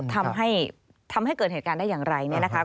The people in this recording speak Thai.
ทำให้เกิดเหตุการณ์ได้อย่างไร